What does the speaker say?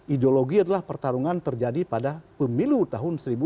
ideologi adalah pertarungan terjadi pada pemilu tahun seribu sembilan ratus empat puluh